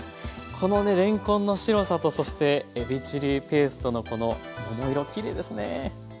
このねれんこんの白さとそしてえびチリペーストのこの桃色きれいですね。